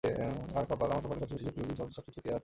আর আমার কপালে সবচেয়ে জটিল রোগী আর সবচেয়ে চুতিয়া ডাক্তার!